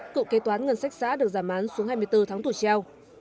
cựu kế toán ngân sách xã được giảm án xuống hai mươi bốn tháng tù treo